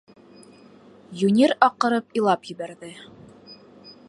Юнир аҡырып илап ебәрҙе.